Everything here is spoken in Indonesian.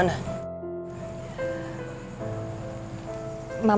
mama tak ada di mana